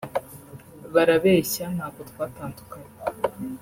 Barabeshya ntabwo twatandukanye